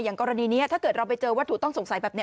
กรณีนี้ถ้าเกิดเราไปเจอวัตถุต้องสงสัยแบบนี้